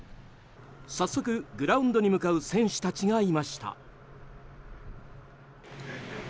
早速、グラウンドに向かう選手たちがいました。